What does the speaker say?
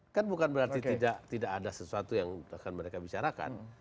kan bukan berarti tidak ada sesuatu yang akan mereka bicarakan